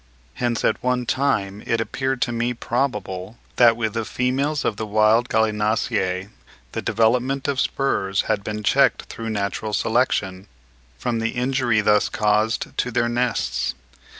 Hence at one time it appeared to me probable that with the females of the wild Gallinaceae the development of spurs had been checked through natural selection, from the injury thus caused to their nests.